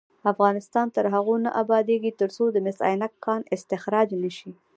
افغانستان تر هغو نه ابادیږي، ترڅو د مس عینک کان استخراج نشي.